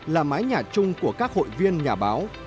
là mái nhà chung của các hội viên nhà báo